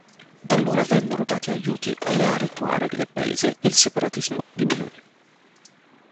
Da allora vennero dati aiuti alle aree tuareg del paese e il separatismo diminuì.